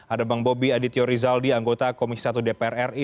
ada bang bobi adityo rizaldi anggota komisi satu dpr ri